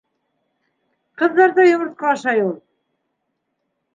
—Ҡыҙҙар ҙа йомортҡа ашай ул.